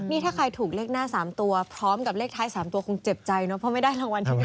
นี่ถ้าใครถูกเลขหน้า๓ตัวพร้อมกับเลขท้าย๓ตัวคงเจ็บใจเนอะเพราะไม่ได้รางวัลที่๑